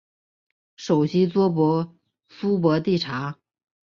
首府苏博蒂察。